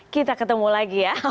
kita ketemu lagi ya